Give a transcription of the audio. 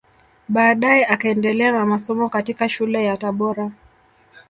Baadae akaendelea na masomo katika shule ya Tabora